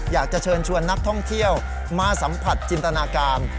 อยากจะเชิญชวนนักท่องเที่ยวมาสัมผัสจินตนาการ